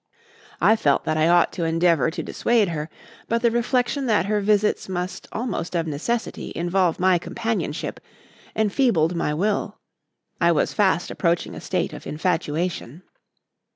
I felt that I ought to endeavour to dissuade her, but the reflection that her visits must almost of necessity involve my companionship, enfeebled my will. I was fast approaching a state of infatuation.